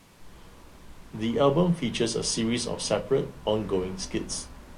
The album features a series of separate, ongoing skits.